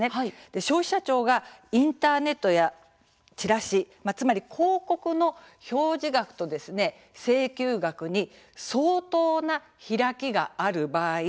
消費者庁がインターネットやちらし、つまり広告の表示額と請求額に相当な開きがある場合